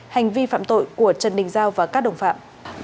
hành vi phạm tội của trần đình giao và các đồng phạm